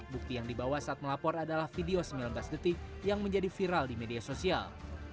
bukti yang dibawa saat melapor adalah video sembilan belas detik yang menjadi viral di media sosial